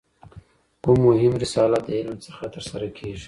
کومه مهمه رسالت د علم څخه تر سره کیږي؟